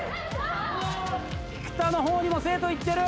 菊田の方にも生徒行ってる！